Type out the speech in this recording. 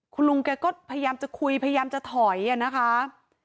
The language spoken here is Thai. คุณลุงแกก็พยายามจะคุยพยายามจะถอยนะคะ